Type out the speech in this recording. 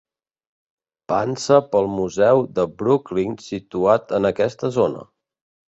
Pansa pel Museu de Brooklyn situat en aquesta zona.